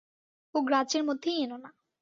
ও গ্রাহ্যের মধ্যেই এনো না।